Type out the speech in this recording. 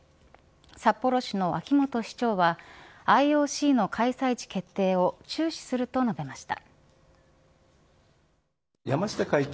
札幌市の秋元市長はＩＯＣの開催地決定を注視すると述べました。